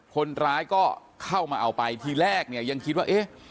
คนร้ายก็เข้ามาเอาไปทีแรกเนี่ยยังคิดว่าเอ๊ะ